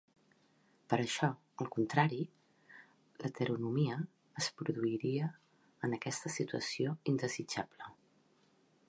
Per això, al contrari, l'heteronomia es produiria en aquesta situació indesitjable: